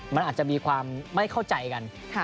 มันอาจจะมีความไม่เข้าใจกัน